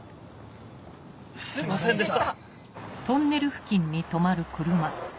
すいませんでした。